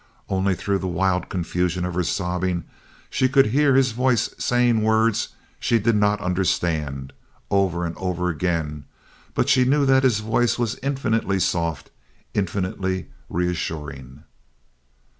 Only through the wild confusion of her sobbing she could hear his voice saying words she did not understand, over and over again, but she knew that his voice was infinitely soft, infinitely reassuring.